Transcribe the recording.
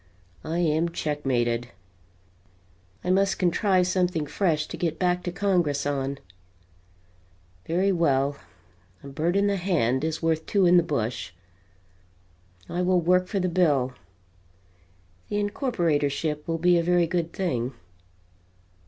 I am checkmated. I must contrive something fresh to get back to Congress on. Very well; a bird in the hand is worth two in the bush; I will work for the bill the incorporatorship will be a very good thing."